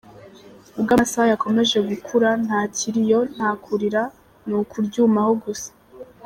Ubwo amasaha yakomeje gukura nta kiriyo nta kurira ni ukuryumaho gusa.